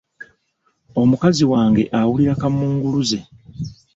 Omukazi wange awulira kaamunguluze.